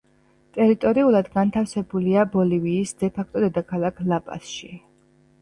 ტერიტორიულად განთავსებულია ბოლივიის დე-ფაქტო დედაქალაქ ლა-პასში.